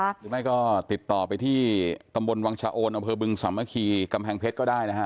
หรือไม่ก็ติดต่อไปที่ตำบลวังชะโอนอำเภอบึงสามัคคีกำแพงเพชรก็ได้นะฮะ